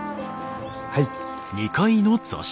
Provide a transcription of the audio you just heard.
はい。